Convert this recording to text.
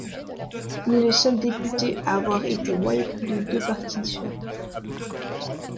Il est le seul député à avoir été whip de deux partis différents.